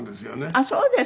あっそうですか。